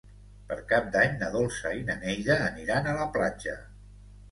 Per Cap d'Any na Dolça i na Neida aniran a la platja.